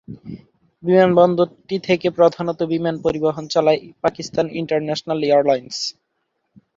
বিমানবন্দরটি থেকে প্রধানত বিমান পরিবহন চালায় পাকিস্তান ইন্টারন্যাশনাল এয়ারলাইন্স।